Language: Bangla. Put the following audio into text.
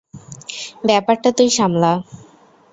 ব্যাপারটা তুই সামলা।